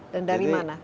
dan dari mana